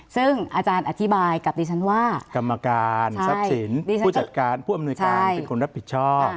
ซึ่งอาจารย์อธิบายกับดิฉันว่ากรรมการทรัพย์สินผู้จัดการผู้อำนวยการเป็นคนรับผิดชอบ